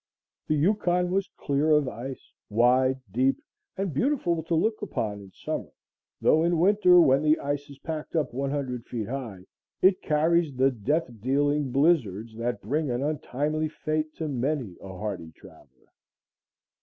The Yukon was clear of ice, wide, deep and beautiful to look upon in summer, though in winter, when the ice is packed up one hundred feet high, it carries the death dealing blizzards that bring an untimely fate to many a hardy traveler.